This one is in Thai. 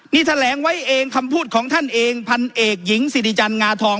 นี่แถลงไว้เองคำพูดของท่านเองพันเอกหญิงสิริจันทร์งาทอง